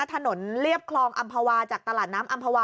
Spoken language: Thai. เรียบคลองอำภาวาจากตลาดน้ำอำภาวา